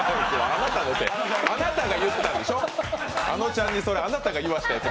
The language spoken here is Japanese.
あなたが言ったんでしょ、あのちゃんに言わせたやつ。